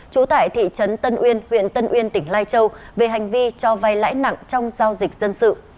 trú tại thị trấn tân uyên huyện tân uyên tỉnh lai châu về hành vi cho vay lãi nặng trong giao dịch dân sự